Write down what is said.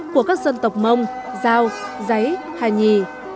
của các dân tộc mông dao giấy hài nhì